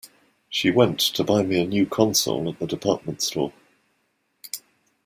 She went to buy me a new console at the department store.